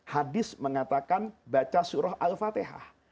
hadis mengatakan baca surah al fatihah